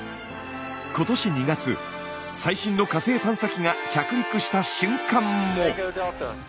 最新の火星探査機が着陸した瞬間も。